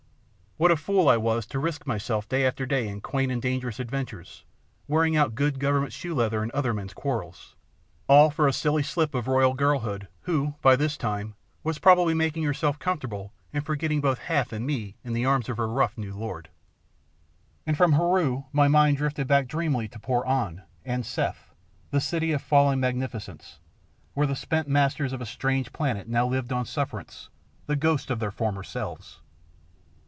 What a fool I was to risk myself day by day in quaint and dangerous adventures, wearing out good Government shoe leather in other men's quarrels, all for a silly slip of royal girlhood who, by this time, was probably making herself comfortable and forgetting both Hath and me in the arms of her rough new lord. And from Heru my mind drifted back dreamily to poor An, and Seth, the city of fallen magnificence, where the spent masters of a strange planet now lived on sufferance the ghosts of their former selves.